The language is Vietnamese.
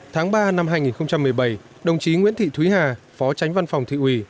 tháng ba năm hai nghìn một mươi bảy đồng chí nguyễn thị thúy hà phó tránh văn phòng thị ủy